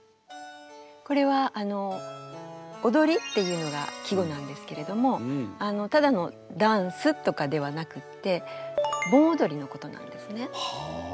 これは「踊り」っていうのが季語なんですけれどもただのダンスとかではなくって盆踊りのことなんですね。